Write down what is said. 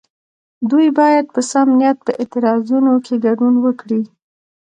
دوی باید په سم نیت په اعتراضونو کې ګډون وکړي.